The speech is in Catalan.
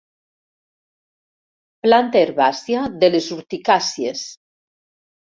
Planta herbàcia de les urticàcies.